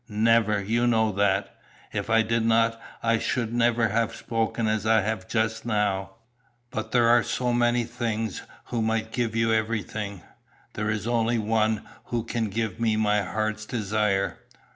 "Never! You know that!" "If I did not I should never have spoken as I have just now." "But there are so many who might give you everything." "There is only one who can give me my heart's desire."